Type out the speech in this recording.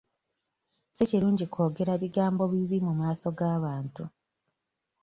Si kirungi kwogera bigambo bibi mu maaso g'abantu.